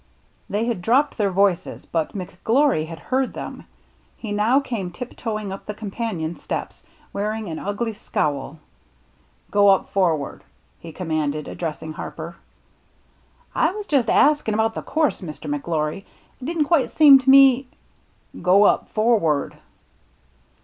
They had dropped their voices, but Mc Glory had heard them. He now came tip toeing up the companion steps, wearing an ugly scowl. " Go up forward," he commanded, addressing Harper. " I was just askin* about the course, Mr. McGlory. It didn't quite seem to me —" Go up forward